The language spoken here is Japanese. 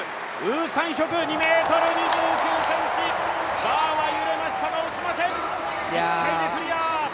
ウ・サンヒョク、２ｍ２９ｃｍ、バーは揺れましたが、落ちません、１回でクリア。